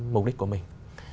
mục đích của mình